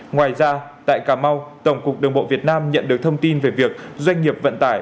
ngoài ra tại cà mau tổng cục đường bộ việt nam nhận được thông tin về việc doanh nghiệp vận tải